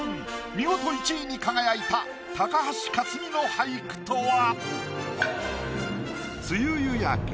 見事１位に輝いた高橋克実の俳句とは？